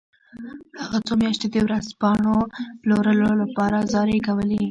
هغه څو میاشتې د ورځپاڼو پلورلو لپاره زارۍ کولې